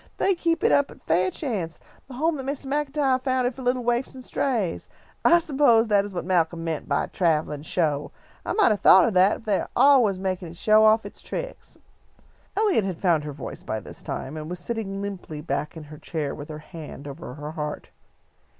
They keep it up at 'Fairchance,' the home that Mr. MacIntyre founded for little waifs and strays. I s'pose that is what Malcolm meant by a travellin' show. I might have thought of that, for they are always makin' it show off its tricks." Eliot had found her voice by this time, and was sitting limply back in her chair with her hand over her heart.